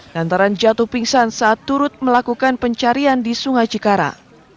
lantaran jatuh pingsan saat turut melakukan pencarian di sungai cikarang